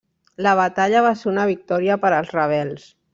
La batalla va ser una victòria per als rebels.